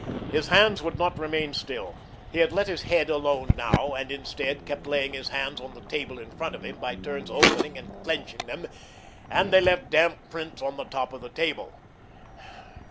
His hands would not remain still. He had let his head alone now, and, instead, kept laying his hands on the table in front of him, by turns opening and clenching them, and they left damp prints on the top of the table.